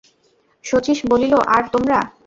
শচীশ বলিল, আর তোমরা?